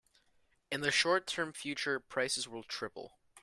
In the short term future, prices will triple.